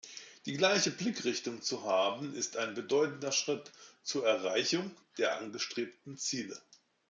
Die gleiche Blickrichtung zu haben ist ein bedeutender Schritt zur Erreichung der angestrebten Ziele.